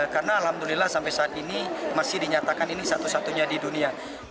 karena alhamdulillah sampai saat ini masih dinyatakan ini satu satunya di dunia